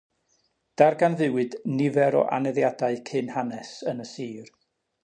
Darganfuwyd nifer o aneddiadau cynhanes yn y sir.